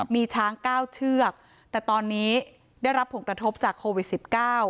มีช้างเก้าเชือกแต่ตอนนี้ได้รับผลกระทบจากโควิดสิบเก้า